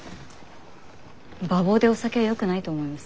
馬房でお酒はよくないと思います。